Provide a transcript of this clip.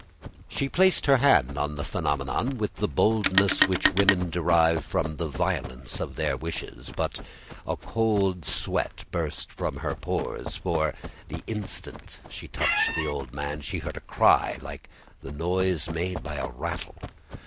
She placed her hand on the phenomenon, with the boldness which women derive from the violence of their wishes, but a cold sweat burst from her pores, for, the instant she touched the old man, she heard a cry like the noise made by a rattle.